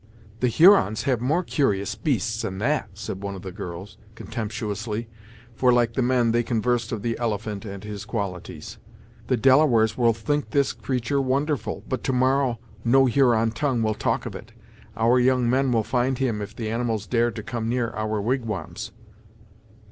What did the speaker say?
"The Hurons have more curious beasts than that," said one of the girls, contemptuously, for, like the men, they conversed of the elephant and his qualities. "The Delawares will think this creature wonderful, but to morrow no Huron tongue will talk of it. Our young men will find him if the animals dare to come near our wigwams!"